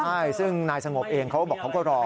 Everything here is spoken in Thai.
ใช่ซึ่งนายสงบเองเขาก็บอกเขาก็รอ